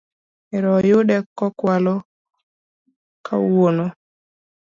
Ero oyude kokwalo kawuono